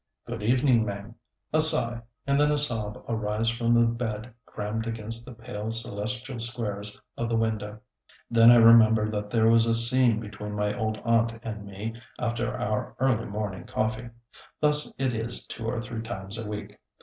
"Good evening, Mame." A sigh, and then a sob arise from the bed crammed against the pale celestial squares of the window. Then I remember that there was a scene between my old aunt and me after our early morning coffee. Thus it is two or three times a week.